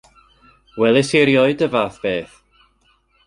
Welis i rioed y fath beth.